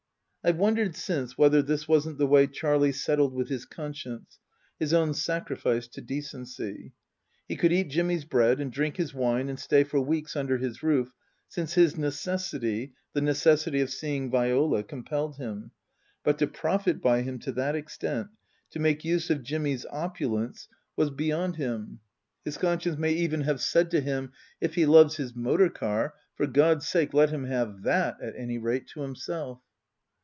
I've wondered since whether this wasn't the way Charlie settled with his conscience, his own sacrifice to decency. He could eat Jimmy's bread and drink his wine and stay for weeks under his roof, since his necessity the necessity of seeing Viola compelled him, but to profit by him to that extent, to make use of Jimmy's opulence, was beyond 15* ' 228 Tasker Jevons him. His conscience may have even said to him, " If he loves his motor car, for God's sake let him have that, at any rate, to himself."